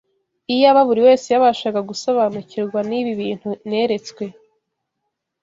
Iyaba buri wese yabashaga gusobanukirwa n’ibi bintu neretswe